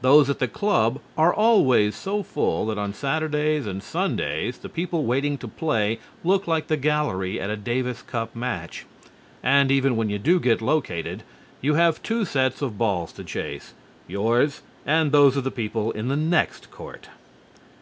Those at the Club are always so full that on Saturdays and Sundays the people waiting to play look like the gallery at a Davis Cup match, and even when you do get located you have two sets of balls to chase, yours and those of the people in the next court.